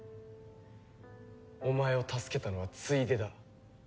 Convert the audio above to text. お前を助けたのはついでだ。